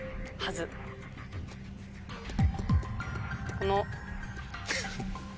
この。